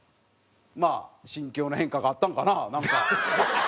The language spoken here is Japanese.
まあ心境の変化があったんかななんか。